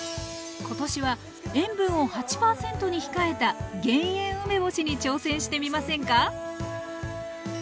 今年は塩分を８％に控えた減塩梅干しに挑戦してみませんか？